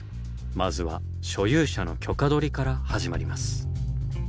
まずは所有者の許可取りから始まります。